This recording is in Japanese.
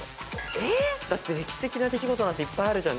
えっ？だって歴史的な出来事なんていっぱいあるじゃん。